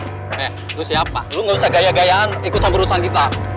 eh lu siapa lu gak usah gaya gayaan ikutan perusahaan kita